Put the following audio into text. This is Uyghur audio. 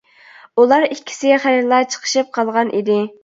ئۇلار ئىككىسى خېلىلا چىقىشىپ قالغان ئىدى.